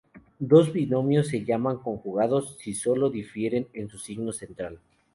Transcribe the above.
Dos binomios se llaman conjugados si solo difieren en su signo central.